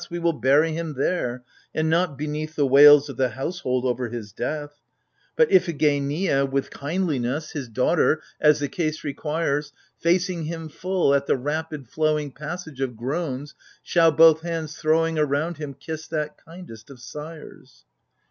We will bury him there, and not beneath The wails of the household over his death : But Iphigeneia,— with kindliness, — 136 AGAMEMNON. His daughter, — as the case requires, Facing him full, at the rapid flowing Passage of Groans shall — both hands throwing Around him — kiss that kindest of sires